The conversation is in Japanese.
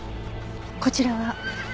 こちらは？